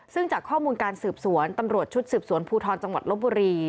ซึ่งจากข้อมูลการสืบสวนตำรวจชุดสืบสวนภูทรจังหวัดลบบุรี